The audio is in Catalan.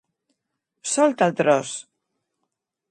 Solta el tros!